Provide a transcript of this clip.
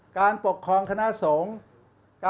การปกครองคณะสงฆ์